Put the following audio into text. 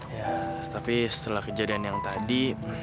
ya tapi setelah kejadian yang tadi